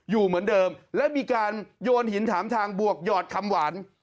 อยู่เหมือนเดิมและมีการโยนหินถามทางบวกหยอดคำหวาน